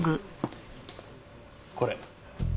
これ。